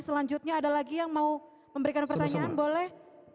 selanjutnya ada lagi yang mau memberikan pertanyaan boleh